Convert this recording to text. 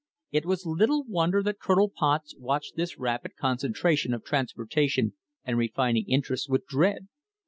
It was little wonder that Colonel Potts watched this rapid concentration of transportation and refining interests with dread.